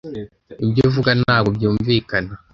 Ibyo avuga ntabwo byumvikana.